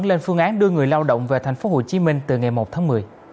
lên phương án đưa người lao động về tp hcm từ ngày một tháng một mươi